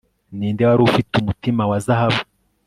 ninde wari ufite umutima wa zahabu